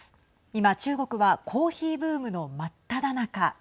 今、中国はコーヒーブームの真っただ中。